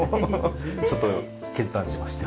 ちょっと決断しまして。